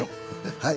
はい。